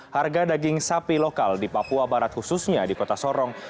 harga daging sapi lokal di papua barat khususnya di kota sorong